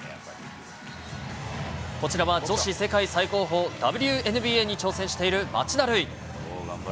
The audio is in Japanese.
こちらは、女子世界最高峰、ＷＮＢＡに挑戦している町田瑠唯。